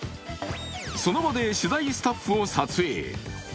その場で取材スタッフを撮影。